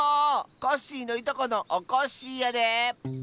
コッシーのいとこのおこっしぃやで。